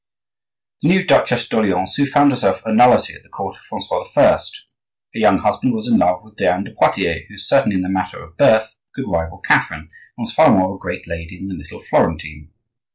The new Duchesse d'Orleans soon found herself a nullity at the court of Francois I. Her young husband was in love with Diane de Poitiers, who certainly, in the matter of birth, could rival Catherine, and was far more of a great lady than the little Florentine.